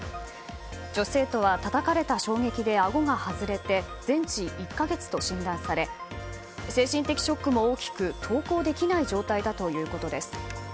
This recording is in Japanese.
女子生徒は、たたかれた衝撃であごが外れて全治１か月と診断され精神的ショックも大きく登校できない状態だということです。